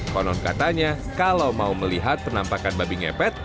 konon katanya kalau mau melihat penampakan babi ngepet